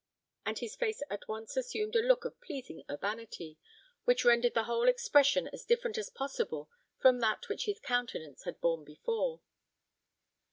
And his face at once assumed a look of pleasing urbanity, which rendered the whole expression as different as possible from that which his countenance had borne before.